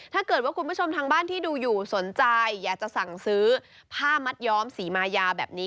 ถ้าเกิดว่าคุณผู้ชมทางบ้านที่ดูอยู่สนใจอยากจะสั่งซื้อผ้ามัดย้อมสีมายาแบบนี้